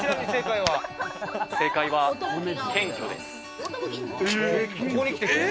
正解は謙虚です。